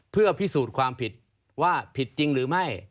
เพื่อพิสูจน์ความผิดว่าผิดจริงหรือไม่